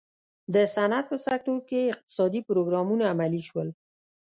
د صنعت په سکتور کې اقتصادي پروګرامونه عملي شول.